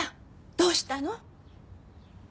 どうしたの？